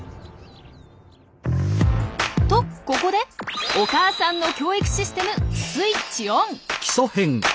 とここでお母さんの教育システムスイッチオン！